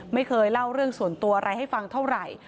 ไม่เคยเล่าเรื่องส่วนตัวอะไรให้ฟังเท่าไหร่